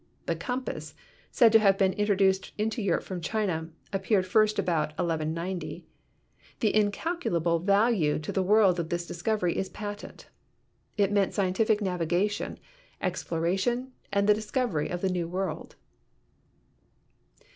The compass, said to have been introduced into Europe from China, appeared first about 1 190. The incalculable value to the world of this discovery is patent. It meant scientific navigation, exploration and the discovery of the New World.